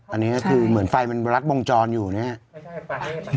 อันนี้ก็คือเหมือนไฟมันรัดวงจรอยู่เนี่ย